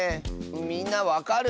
みんなわかる？